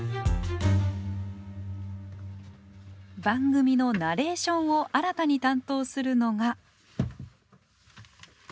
番組のナレーションを新たに担当するのが。